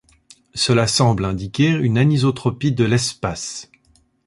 Cela semble indiquer une anisotropie de l'espace.